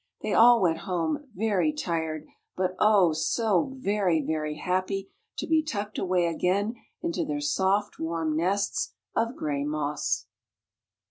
They all went home very tired, but O, so very, very happy to be tucked away again into their soft, warm nests of gray moss.